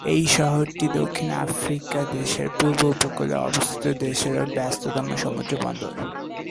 এই শহরটি দক্ষিণ আফ্রিকা দেশের পূর্ব উপকূলে অবস্থিত দেশের ব্যস্ততম সমুদ্রবন্দর।